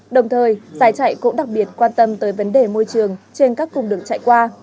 đồng thời giải chạy cũng đặc biệt quan tâm tới vấn đề môi trường trên các cung đường chạy qua